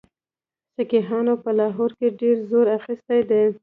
سیکهانو په لاهور کې ډېر زور اخیستی دی.